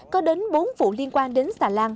có đến bốn vụ liên quan đến xà lan